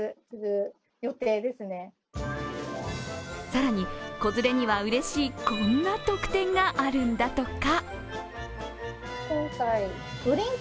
更に、子連れにはうれしいこんな特典があるんだとか。